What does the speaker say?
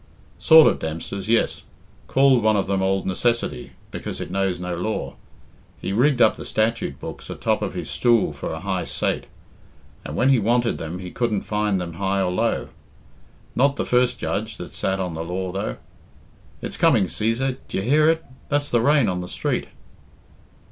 "Sort of Dempsters, yes. Called one of them Ould Necessity, because it knows no law. He rigged up the statute books atop of his stool for a high sate, and when he wanted them he couldn't find them high or low. Not the first judge that's sat on the law, though.... It's coming, Cæsar, d'ye hear it? That's the rain on the street."